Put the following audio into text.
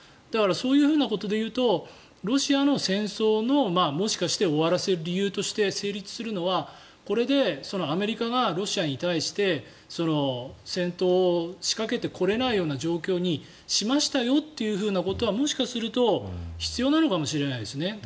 だから、そういうことでいうとロシアの戦争をもしかして終わらせる理由として成立するのはこれでアメリカがロシアに対して戦闘を仕掛けてこれないような状況にしましたよということはもしかすると必要なのかもしれないですね。